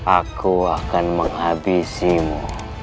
aku akan menghabisimu